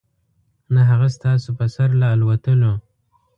نه هغه ستاسو په سر له الوتلو .